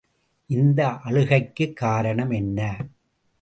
இந்த அழுகைக்குக் காரணம் என்ன?